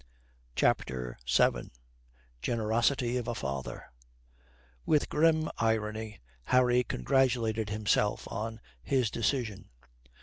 CHAPTER VII GENEROSITY OF A FATHER With grim irony Harry congratulated himself on his decision.